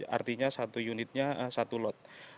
artinya satu unitnya satu lot